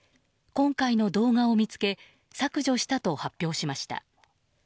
今回の動画を見つけ削除したと発表しました。